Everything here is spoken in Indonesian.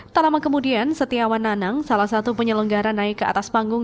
tak lama kemudian setiawan nanang salah satu penyelenggara naik ke atas panggung